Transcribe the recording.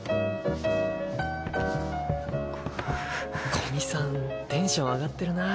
古見さんテンション上がってるなぁ。